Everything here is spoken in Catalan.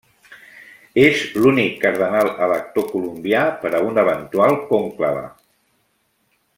És l'únic cardenal elector colombià per a un eventual conclave.